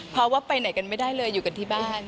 เพราะว่าไปไหนกันไม่ได้เลยอยู่กันที่บ้าน